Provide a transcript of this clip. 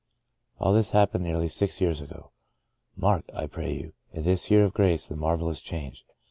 '' All this happened nearly six years ago. Mark, I pray you, in this year of grace the marvellous change.